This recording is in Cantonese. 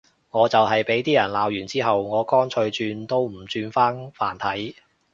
我就係畀啲人鬧完之後，我乾脆轉都唔轉返簡體